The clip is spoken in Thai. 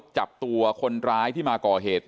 จับตัวคนร้ายที่มาก่อเหตุ